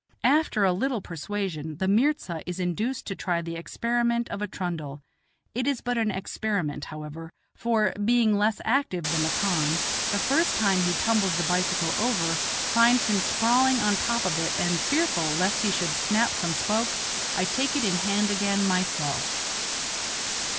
After a little persuasion the inirza is induced to try the experiment of a trundle; it is but an experiment, however, for, being less active than the khan, the first time he tumbles the bicycle over finds him sprawling on top of it, and, fearful lest he should snap some spokes, I take it in hand again myself.